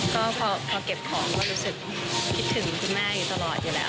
ก็พอเก็บของก็รู้สึกคิดถึงคุณแม่อยู่ตลอดอยู่แล้ว